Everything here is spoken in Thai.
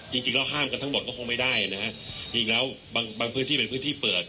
จริงแล้วห้ามกันทั้งหมดก็คงไม่ได้นะฮะจริงแล้วบางบางพื้นที่เป็นพื้นที่เปิด